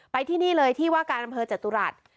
ที่นี่เลยที่ว่าการอำเภอจตุรัส